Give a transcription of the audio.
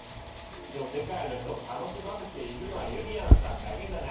でも世界の人を楽しませているのはゆりやんさんだけじゃないんですよ